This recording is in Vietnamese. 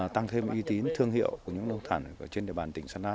tăng thêm uy tín thương hiệu của những nông sản trên địa bàn tỉnh sơn la